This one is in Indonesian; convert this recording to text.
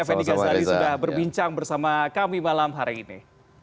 fn tiga tadi sudah berbincang bersama kami malam hari ini